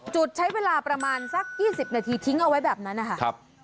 จุดใช้เวลาประมาณสัก๒๐นาทีทิ้งเอาไว้แบบนั้นนะคะ